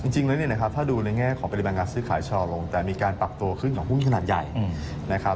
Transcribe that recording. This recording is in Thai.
จริงแล้วเนี่ยนะครับถ้าดูในแง่ของปริมาณการซื้อขายชะลอลงแต่มีการปรับตัวขึ้นของหุ้นขนาดใหญ่นะครับ